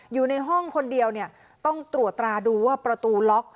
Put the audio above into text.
อยู่ในห้องคนเดียวเนี่ยต้องตรวจตราดูว่าประตูล็อก